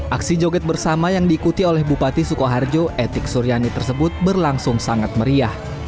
aksi joget bersama yang diikuti oleh bupati sukoharjo etik suryani tersebut berlangsung sangat meriah